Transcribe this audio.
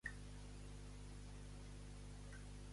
Tots d'ells estaven d'acord?